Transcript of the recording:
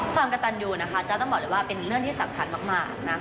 ความกระตันยูนะคะจ๊ะต้องบอกเลยว่าเป็นเรื่องที่สำคัญมากนะคะ